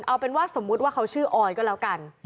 เอาเป็นว่าสมมุติว่าเขาชื่อออยก็แล้วกัน